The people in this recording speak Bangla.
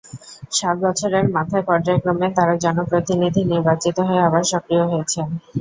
সাত বছরের মাথায় পর্যায়ক্রমে তাঁরা জনপ্রতিনিধি নির্বাচিত হয়ে আবার সক্রিয় হয়েছেন।